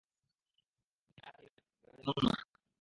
না টিনা, রাজ এমন নয়।